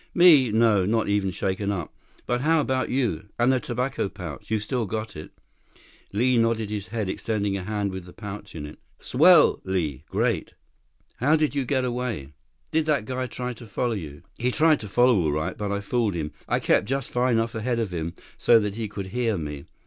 "Me? No. Not even shaken up. But how about you? And the tobacco pouch. You've still got it?" Li nodded his head, extending a hand with the pouch in it. "Swell, Li. Great. How did you get away? Did that guy try to follow you?" "He tried to follow all right. But I fooled him. I kept just far enough ahead of him so he could hear me.